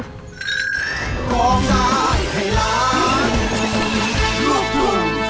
สุขีวิทย์